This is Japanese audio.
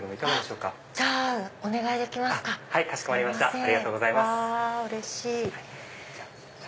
うれしい！